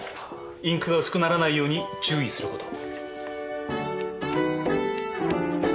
インクが薄くならないように注意すること。